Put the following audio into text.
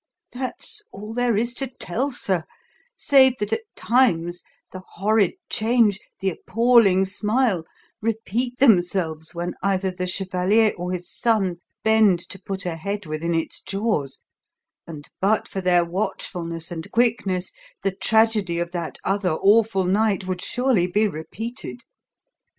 That's all there is to tell, sir, save that at times the horrid change, the appalling smile, repeat themselves when either the chevalier or his son bend to put a head within its jaws, and but for their watchfulness and quickness the tragedy of that other awful night would surely be repeated.